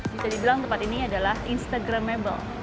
bisa dibilang tempat ini adalah instagramable